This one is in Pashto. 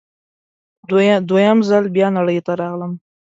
دوه یم ځل بیا نړۍ ته راغلم